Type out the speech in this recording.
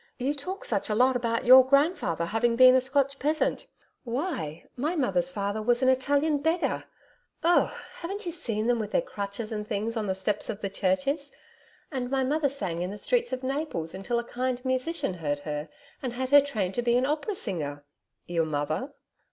You talk such a lot about YOUR grandfather having been a Scotch peasant. Why! MY mother's father was an Italian beggar Ugh! haven't you seen them with their crutches and things on the steps of the churches? And my mother sang in the streets of Naples until a kind musician heard her and had her trained to be a opera singer.' 'Your mother?'